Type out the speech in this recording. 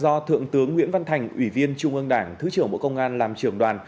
bộ công an do thượng tướng nguyễn văn thành ủy viên trung ương đảng thứ trưởng bộ công an làm trường đoàn